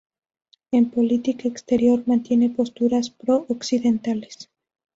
En política exterior, mantiene posturas pro occidentales.